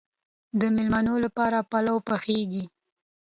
د میلمنو لپاره پلو پخیږي.